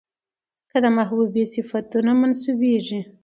که د محبوبې صفتونه منسوبېږي،